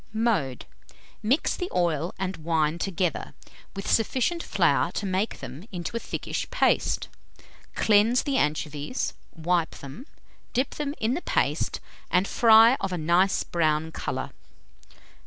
Mode. Mix the oil and wine together, with sufficient flour to make them into a thickish paste; cleanse the anchovies, wipe them, dip them in the paste, and fry of a nice brown colour.